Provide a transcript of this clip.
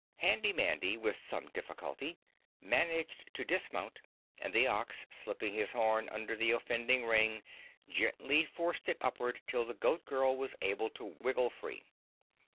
Handy Mandy with some difficulty managed to dismount, and the Ox slipping his horn under the offending ring, gently forced it upward till the Goat Girl was able to wiggle free.